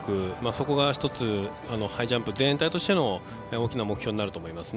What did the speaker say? そこが１つハイジャンプ全体としての大きな目標となると思います。